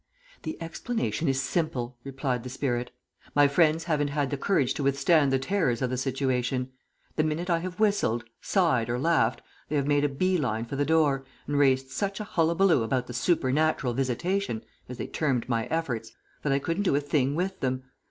"The explanation is simple," replied the spirit. "My friends haven't had the courage to withstand the terrors of the situation. The minute I have whistled, sighed or laughed, they have made a bee line for the door, and raised such a hullabaloo about the 'supernatural visitation,' as they termed my efforts, that I couldn't do a thing with them.